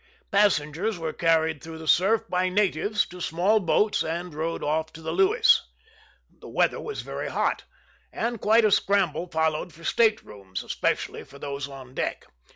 Passengers were carried through the surf by natives to small boats, and rowed off to the Lewis. The weather was very hot, and quite a scramble followed for state rooms, especially for those on deck.